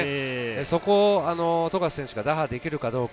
そこを富樫選手が打破できるかどうか。